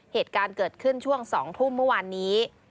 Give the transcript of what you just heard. เหตุการณ์เกิดขึ้นช่วง๒ทุ่มเมื่อวานนี้